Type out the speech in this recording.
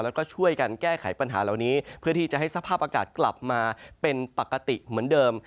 แล้วก็ช่วยกันแก้ไขปัญหาเหล่านี้เพื่อที่จะให้สภาพอากาศกลับมาเป็นปกติเหมือนเดิม